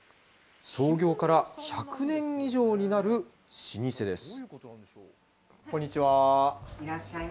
創業から１００年以上になる老舗です。